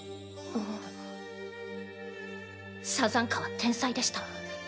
サザンカは天才でした。